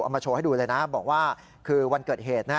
มาโชว์ให้ดูเลยนะบอกว่าคือวันเกิดเหตุ